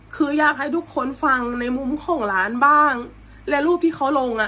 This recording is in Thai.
คืออยากให้ทุกคนฟังในมุมของร้านบ้างและรูปที่เขาลงอ่ะ